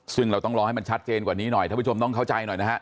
ซึ่งเราต้องรอให้มันชัดเจนกว่านี้หน่อยท่านผู้ชมต้องเข้าใจหน่อยนะฮะ